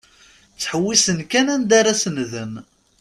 Ttḥewwisen kan anda ara senden.